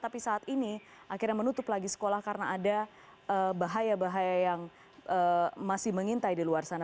tapi saat ini akhirnya menutup lagi sekolah karena ada bahaya bahaya yang masih mengintai di luar sana